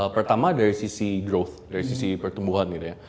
pertama dari sisi growth dari sisi pertumbuhan gitu ya